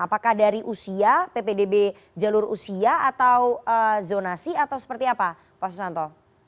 apakah dari usia ppdb jalur usia atau zonasi atau seperti apa pak susanto